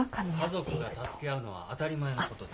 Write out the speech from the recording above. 家族が助け合うのは当たり前のことです。